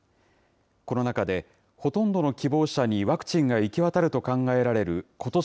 この中で、ほとんどの希望者にワクチンが行き渡ると考えられることし